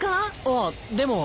ああでも。